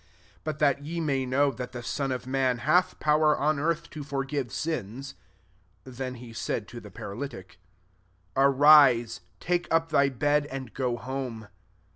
6 But that ye may know that the Son of man hath power on earth to forgive sins," (then he said to the paralytic,) < Arise, take up thy bed, and go home.'